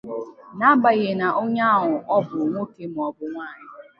n'agbanyeghị na onye ahụ ọ bụ nwoke ma ọ bụ nwaanyị